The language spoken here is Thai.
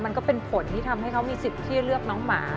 มันก็เป็นผลที่ทำให้เขามีสิทธิ์ที่เลือกน้องหมา